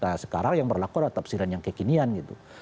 nah sekarang yang berlaku adalah tafsiran yang kekinian gitu